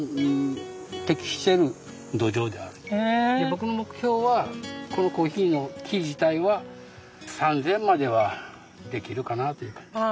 僕の目標はこのコーヒーノキ自体は３，０００までは出来るかなという感じ。